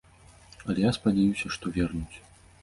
Але я спадзяюся, што вернуць.